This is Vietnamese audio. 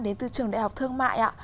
đến từ trường đại học thương mại